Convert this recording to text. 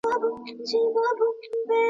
افغان لښکر د زنبورک توپونو ملاتړ درلود.